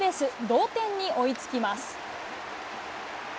同点に追いつきます。